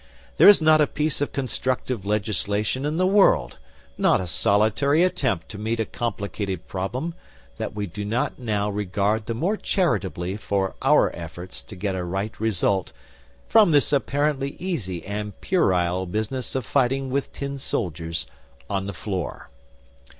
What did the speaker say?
There is not a piece of constructive legislation in the world, not a solitary attempt to meet a complicated problem, that we do not now regard the more charitably for our efforts to get a right result from this apparently easy and puerile business of fighting with tin soldiers on the floor.